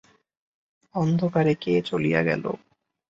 অন্ধকারে কে চলিয়া গেল।